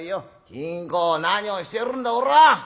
「金公何をしてるんだおら！